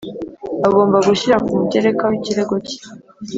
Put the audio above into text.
Agomba gushyira ku mugereka w ikirego cye